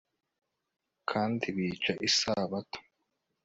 kandi bica isabato